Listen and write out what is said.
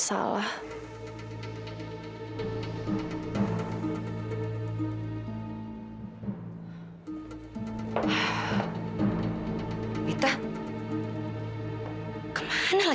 suara adanya kayak gila